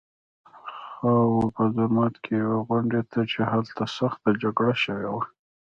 خاوو په زرمت کې یوه غونډۍ ده چې هلته سخته جګړه شوې وه